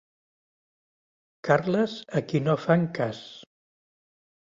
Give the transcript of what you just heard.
Carles a qui no fan cas.